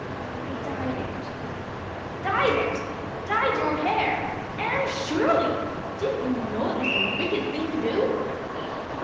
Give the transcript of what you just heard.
"I dyed it." "Dyed it! Dyed your hair! Anne Shirley, didn't you know it was a wicked thing to do?"